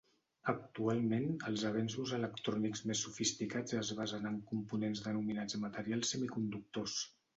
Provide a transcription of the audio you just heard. Actualment els avenços electrònics més sofisticats es basen en components denominats materials semiconductors.